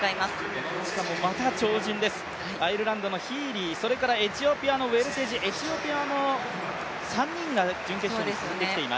この内側もまた超人です、アイルランドのヒーリー、エチオピアのウェルテジ、エチオピアも３人が準決勝に進んできています。